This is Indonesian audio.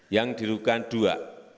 yang dirugikan dua